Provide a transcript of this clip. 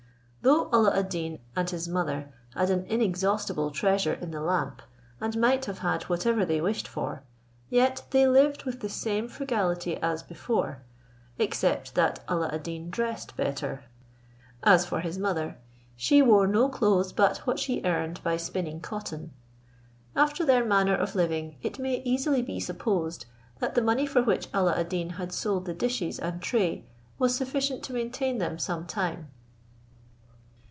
Though Alla ad Deen and his mother had an inexhaustible treasure in their lamp, and might have had whatever they wished for, yet they lived with the same frugality as before, except that Alla ad Deen dressed better; as for his mother, she wore no clothes but what she earned by spinning cotton. After their manner of living, it may easily be supposed, that the money for which Alla ad Deen had sold the dishes and tray was sufficient to maintain them some time.